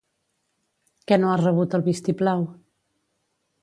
Què no ha rebut el vistiplau?